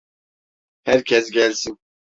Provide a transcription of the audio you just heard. Herkes gelsin.